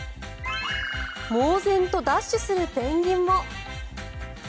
猛然とダッシュするペンギンも。